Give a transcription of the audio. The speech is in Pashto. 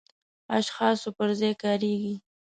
اشخاصو پر ځای کاریږي.